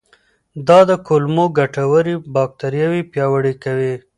دا د کولمو ګټورې باکتریاوې پیاوړې کوي.